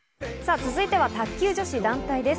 続いては卓球女子団体です。